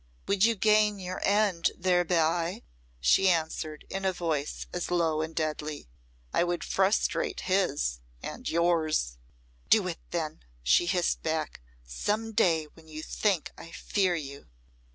"Would you gain your end thereby?" she answered, in a voice as low and deadly. "I would frustrate his and yours." "Do it, then," she hissed back, "some day when you think I fear you."